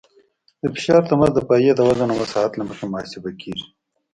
د فشار تماس د پایې د وزن او مساحت له مخې محاسبه کیږي